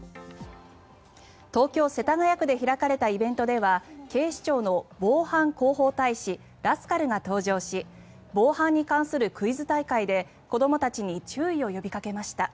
東京・世田谷区で開かれたイベントでは警視庁の防犯広報大使ラスカルが登場し防犯に関するクイズ大会で子どもたちに注意を呼びかけました。